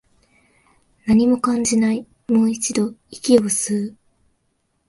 何も感じない、もう一度、息を吸う